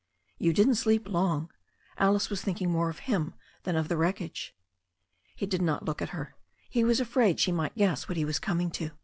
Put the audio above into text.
"You didn't sleep long." Alice was thinking more of him than of the wreckage. He did not look at her. He was afraid she might g^ess what he was coming to.